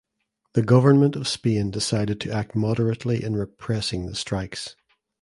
The Government of Spain decided to act moderately in repressing the strikes.